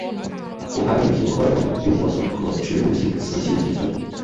富含女性荷尔蒙诱导素和植物性雌激素。